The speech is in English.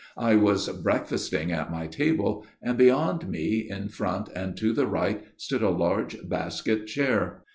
" I was breakfasting at my table, and beyond me, in front and to the right stood a large basket chair.